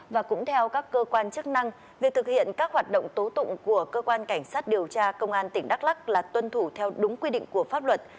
và cũng theo các cơ quan chức năng việc thực hiện các hoạt động tố tụng của cơ quan cảnh sát điều tra công an tỉnh đắk lắc là tuân thủ theo đúng quy định của pháp luật